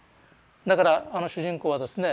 だからあの主人公はですね